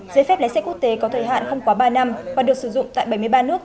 giấy phép lái xe quốc tế có thời hạn không quá ba năm và được sử dụng tại bảy mươi ba nước